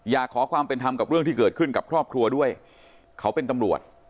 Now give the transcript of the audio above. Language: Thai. อยากขอความเป็นธรรมกับเรื่องที่เกิดขึ้นกับครอบครัวด้วยเขาเป็นตำรวจ